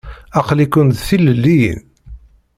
Aql-ikent d tilelliyin?